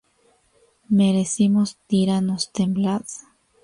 Merecimos: ¡tiranos, temblad!